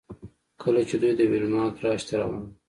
کله چې دوی د ویلما ګراج ته روان وو